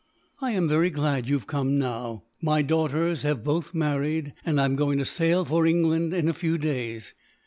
"I am very glad you have come now. My daughters have both married, and I am going to sail for England in a few days.